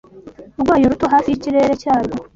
rwayo ruto, hafi yikirere cyarwo!